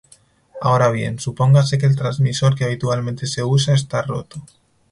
Ahora bien, supóngase que el transmisor que habitualmente se usa está roto.